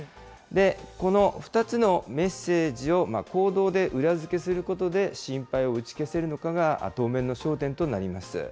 この２つのメッセージを、行動で裏付けすることで、心配を打ち消せるのかが当面の焦点となります。